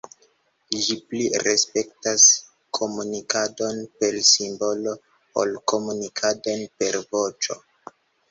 Ĝi pli respektas komunikadon per simbolo ol komunikadon per voĉo.